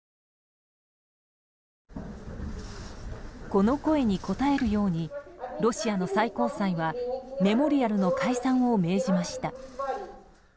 この声に応えるようにロシアの最高裁はメモリアルの解散を命じました。